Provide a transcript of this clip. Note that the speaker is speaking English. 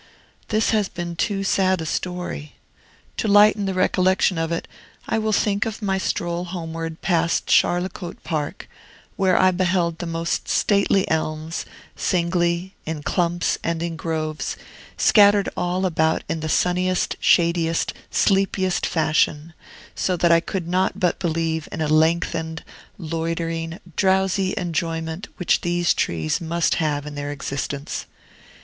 This has been too sad a story. To lighten the recollection of it, I will think of my stroll homeward past Charlecote Park, where I beheld the most stately elms, singly, in clumps, and in groves, scattered all about in the sunniest, shadiest, sleepiest fashion; so that I could not but believe in a lengthened, loitering, drowsy enjoyment which these trees must have in their existence.